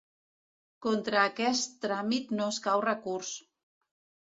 Contra aquest tràmit no escau recurs.